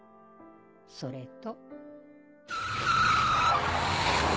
それと」。